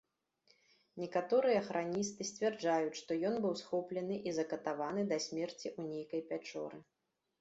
Некаторыя храністы сцвярджаюць, што ён быў схоплены і закатаваны да смерці ў нейкай пячоры.